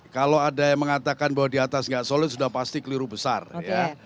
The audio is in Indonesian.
kalau ada yang mengatakan bahwa di atas nggak solid sudah pasti keliru besar ya